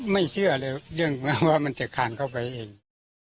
ไม่เชื่อเลยว่ามันจะขาดเข้าไปเอง